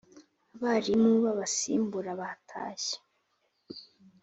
abarimu b abasimbura batashye